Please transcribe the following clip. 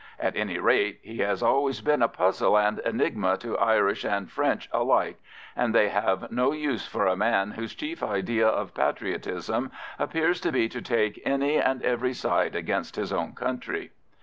At any rate, he has always been a puzzle and enigma to Irish and French alike, and they have no use for a man whose chief idea of patriotism appears to be to take any and every side against his own country.